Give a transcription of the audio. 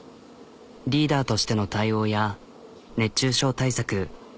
リーダーとしての対応や熱中症対策